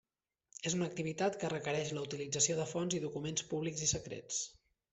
És una activitat que requereix la utilització de fonts i documents públics i secrets.